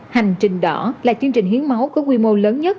hành trình đỏ là chương trình hiến máu có quy mô lớn nhất